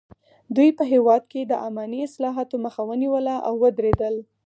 دوی په هېواد کې د اماني اصلاحاتو مخه ونیوله او ودریدل.